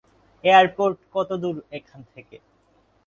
Airport কত দুর এখান থেকে?